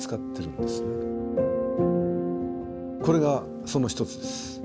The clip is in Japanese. これがその一つです。